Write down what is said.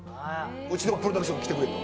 うちのプロダクション来てくれと。